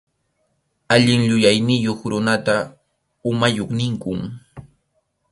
Allin yuyayniyuq runata umayuq ninkum.